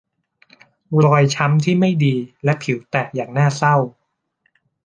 รอยช้ำที่ไม่ดีและผิวแตกอย่างน่าเศร้า